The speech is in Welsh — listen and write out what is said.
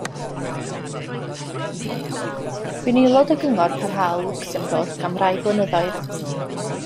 Bu'n aelod o Gyngor Parhaol Lwcsembwrg am rai blynyddoedd.